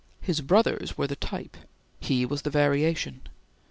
His brothers were the type; he was the variation.